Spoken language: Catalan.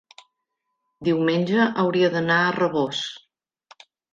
diumenge hauria d'anar a Rabós.